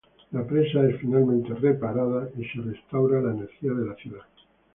La presa es finalmente reparada, y se restaura la energía de la ciudad.